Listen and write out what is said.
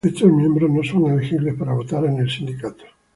Estos miembros no son elegibles para votar en el sindicato.